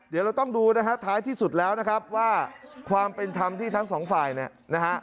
เดี๋ยวเราต้องดูนะฮะท้ายที่สุดแล้วนะครับว่าความเป็นธรรมที่ทั้งสองฝ่ายเนี่ยนะฮะ